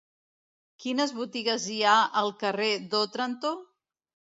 Quines botigues hi ha al carrer d'Òtranto?